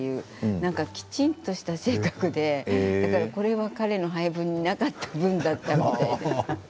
きちんとした性格でこれは彼の配分になかった分だったんです。